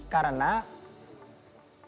keuangan pribadi dan keuangan perusahaan